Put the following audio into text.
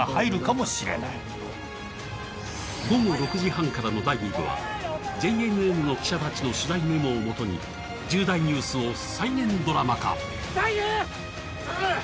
午後６時半からの第２部はＪＮＮの記者たちの取材メモを元に重大ニュースを再現ドラマ化。